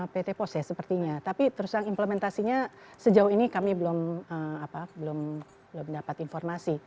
pt pose sepertinya tapi terus yang implementasinya sejauh ini kami belum dapat informasi